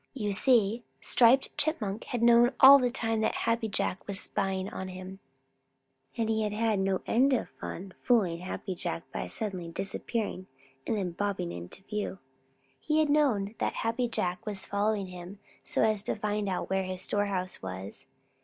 You see, Striped Chipmunk had known all the time that Happy Jack was spying on him, and he had had no end of fun fooling Happy Jack by suddenly disappearing and then bobbing into view. He had known that Happy Jack was following him so as to find out where his storehouse was.